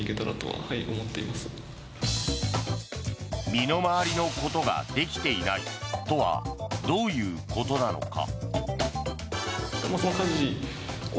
身の回りのことができていないとはどういうことなのか。